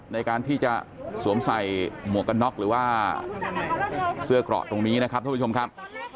ในการที่จะสวมใส่หมวกกันน็อกหรือว่าเสื้อเกราะตรงนี้นะครับท่านผู้ชมครับ